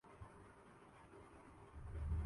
نو فلس کا اضافہ کیا گیا ہے